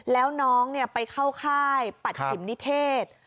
แล้วน้องไปเข้าค่ายปัจฉิมนิเทศ